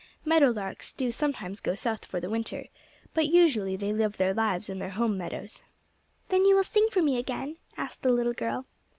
Meadow larks do sometimes go south for the winter, but usually they live their lives in their home meadows." "Then you will sing for me again?" asked the little girl.